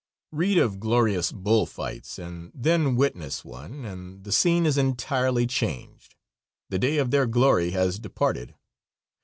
Read of glorious bull fights and then witness one, and the scene is entirely changed. The day of their glory has departed.